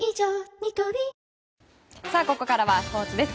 ニトリここからはスポーツです。